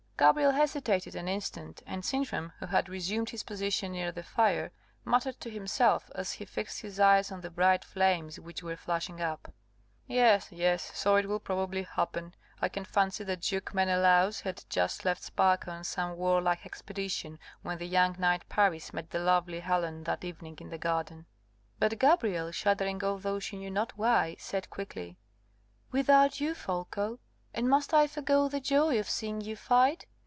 Gabrielle hesitated an instant; and Sintram, who had resumed his position near the fire, muttered to himself as he fixed his eyes on the bright flames which were flashing up, "Yes, yes, so it will probably happen. I can fancy that Duke Menelaus had just left Sparta on some warlike expedition, when the young knight Paris met the lovely Helen that evening in the garden." But Gabrielle, shuddering although she knew not why, said quickly, "Without you, Folko? And must I forego the joy of seeing you fight?